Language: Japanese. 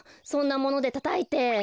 そんなものでたたいて。